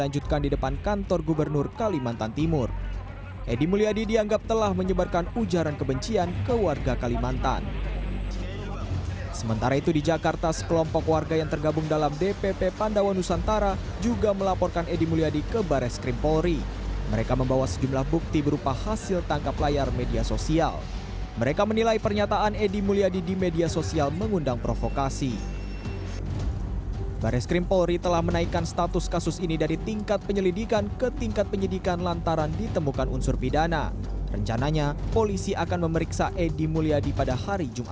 sebelumnya edi mulyadi telah meminta maaf melalui video klarifikasi